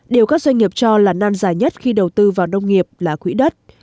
điều các doanh nghiệp cho là nan dài nhất khi đầu tư vào nông nghiệp là quỹ đất